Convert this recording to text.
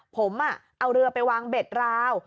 ผมเอาเรือไปวางเบ็ดราว